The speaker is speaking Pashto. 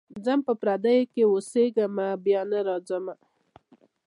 ځم په پردیو کي اوسېږمه بیا نه راځمه.